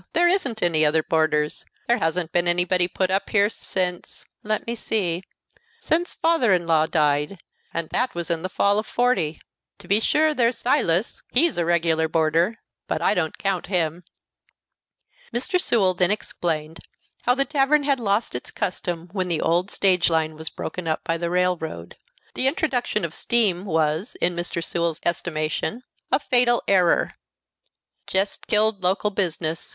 there isn't any other boarders. There hasn't been anybody put up here sence let me see sence father in law died, and that was in the fall of '40. To be sure, there's Silas; he's a regular boarder; but I don't count him." Mr. Sewell then explained how the tavern had lost its custom when the old stage line was broken up by the railroad. The introduction of steam was, in Mr. Sewell's estimation, a fatal error. "Jest killed local business.